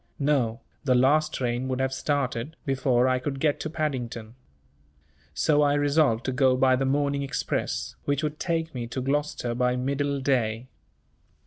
No, the last train would have started, before I could get to Paddington. So I resolved to go by the morning express, which would take me to Gloucester by middle day.